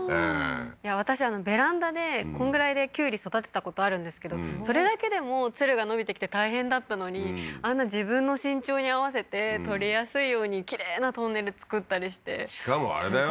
私ベランダでこんぐらいできゅうり育てたことあるんですけどそれだけでもツルが伸びてきて大変だったのにあんな自分の身長に合わせて採りやすいようにきれいなトンネル作ったりしてしかもあれだよ？